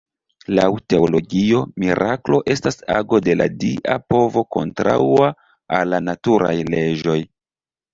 Laŭ Teologio, miraklo estas ago de la dia povo kontraŭa al la naturaj leĝoj.